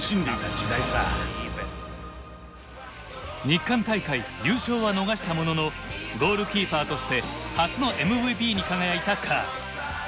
日韓大会優勝は逃したもののゴールキーパーとして初のＭＶＰに輝いたカーン。